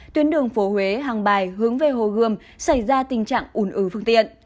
tuyến đường phố huế hàng bài hướng về hồ gươm xảy ra tình trạng ủn ứ phương tiện